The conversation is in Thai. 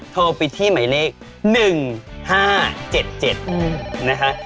โทรไปที่หมายเลข๑๕๗๗นะคะ